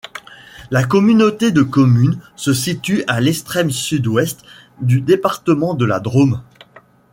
La communauté de communes se situe à l'extrême sud-ouest du département de la Drôme.